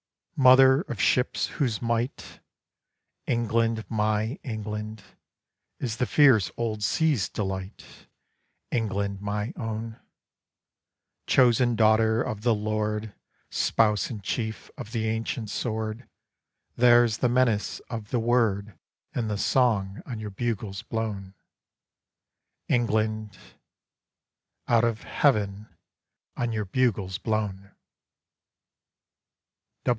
Mother of Ships whose might, England, my England, Is the fierce old Sea's delight, England, my own, Chosen daughter of the Lord, Spouse in Chief of the ancient Sword, There's the menace of the Word In the Song on your bugles blown, England Out of heaven on your bugles blown!